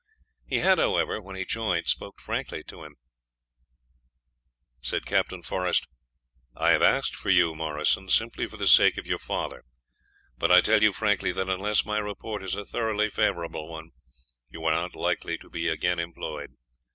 He had, however, when he joined, spoken frankly to him. "I have asked for you, Morrison," he said, "simply for the sake of your father; but I tell you frankly, that unless my report is a thoroughly favorable one, you are not likely to be again employed.